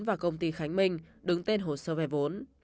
và công ty khánh minh đứng tên hồ sơ vay vốn